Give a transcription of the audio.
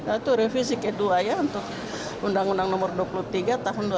itu revisi kedua ya untuk undang undang nomor dua puluh tiga tahun dua ribu dua